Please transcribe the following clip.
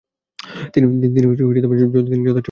তিনি যথেষ্ট ভূমিকা রেখেছেন।